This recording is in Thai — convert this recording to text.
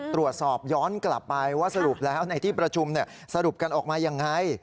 ตรวจสอบย้อนกลับไปว่าสรุปแล้วในที่ประชุมสรุปกันออกมายังไง